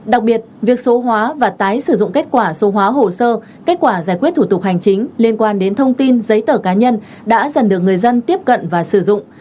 đặc biệt việc số hóa và tái sử dụng kết quả số hóa hồ sơ kết quả giải quyết thủ tục hành chính liên quan đến thông tin giấy tờ cá nhân đã dần được người dân tiếp cận và sử dụng